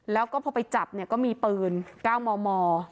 แล้วก็พอไปจับเนี่ยก็มีปืน๙มม